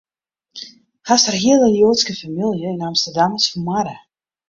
Hast har hiele Joadske famylje yn Amsterdam, is fermoarde.